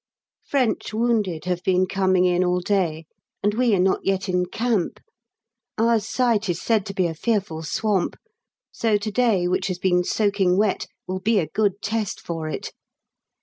French wounded have been coming in all day. And we are not yet in camp. Our site is said to be a fearful swamp, so to day, which has been soaking wet, will be a good test for it.